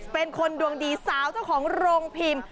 เป็นคนดวงดีสาวเจ้าของโรงพิมพ์